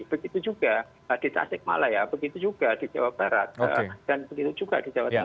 begitu juga di tasikmalaya begitu juga di jawa barat dan begitu juga di jawa timur